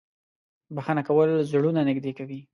• بښنه کول زړونه نږدې کوي.